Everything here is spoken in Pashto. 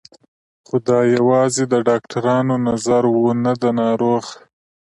خو دا یوازې د ډاکترانو نظر و نه د ناروغ